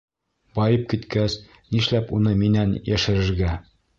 Байып киткәс, нишләп уны минән йәшерергә?